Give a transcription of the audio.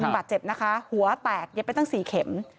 บาดเจ็บนะคะหัวแตกเย็บไปตั้ง๔เข็ม